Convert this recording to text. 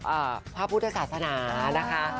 พระพุทธศาสนานะคะ